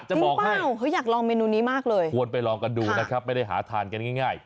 เปล่าเขาอยากลองเมนูนี้มากเลยควรไปลองกันดูนะครับไม่ได้หาทานกันง่าย